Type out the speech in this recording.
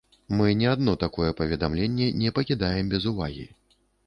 Мы ні адно такое паведамленне не пакідаем без увагі.